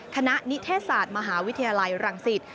นิเทศศาสตร์มหาวิทยาลัยรังสิต